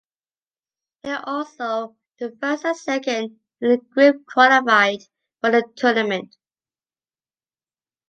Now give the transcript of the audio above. Here also, the first and second in the group qualified for the tournament.